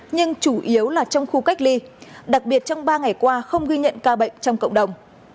nhưng chủ yếu là trong khu cách ly đặc biệt trong ba ngày qua không ghi nhận ca bệnh trong cộng đồng